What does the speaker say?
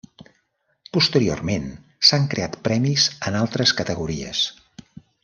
Posteriorment s'han creat premis en altres categories.